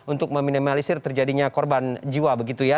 untuk meminimalisir terjadinya korban jiwa begitu ya